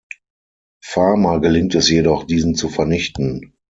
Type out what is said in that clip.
Farmer gelingt es jedoch, diesen zu vernichten.